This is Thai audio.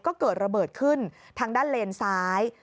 ก็เกิดระเบิดขึ้นทางด้านเลนซ้าย